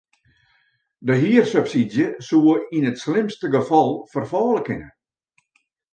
De hiersubsydzje soe yn it slimste gefal ferfalle kinne.